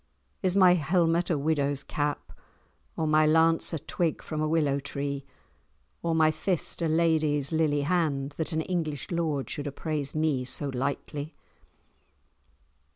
Is my helmet a widow's cap, or my lance a twig from a willow tree, or my fist a lady's lily hand, that an English lord should appraise me so lightly?